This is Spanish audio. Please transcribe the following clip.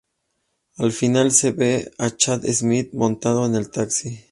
Al final, se ve a Chad Smith montando en el taxi.